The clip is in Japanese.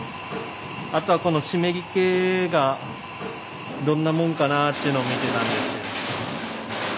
あとはこの湿りけがどんなもんかなというのを見てたんです。